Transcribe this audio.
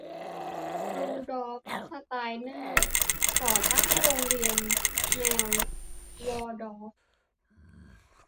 รูดอล์ฟ สไตนเนอร์ ก่อตั้งโรงเรียนแนววอลดอร์ฟ